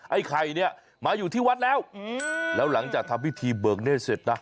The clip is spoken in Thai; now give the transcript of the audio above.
ไอ้ไข่เนี่ยมาอยู่ที่วัดแล้วแล้วหลังจากทำพิธีเบิกเนธเสร็จนะ